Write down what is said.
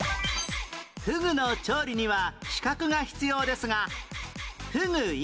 ふぐの調理には資格が必要ですが